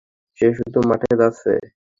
সে শুধু মাঠে যাচ্ছে।